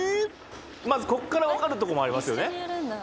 まずこっからわかるとこもありますよね